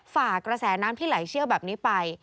ฝ่ากระแสน้ำที่ไหลเชี่ยวแบบนี้ไป